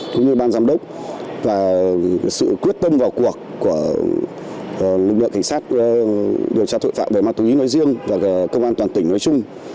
cũng như ban giám đốc và sự quyết tâm vào cuộc của lực lượng cảnh sát điều tra tội phạm về ma túy nói riêng và công an toàn tỉnh nói chung